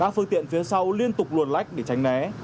xe sau liên tục luồn lách để tránh né